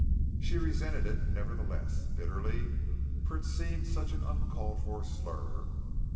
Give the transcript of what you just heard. She resented it nevertheless, bitterly, for it seemed such an uncalled for slur.